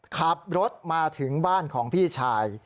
ขับรถมาถึงบ้านของพี่ชาย